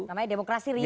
namanya demokrasi riu ya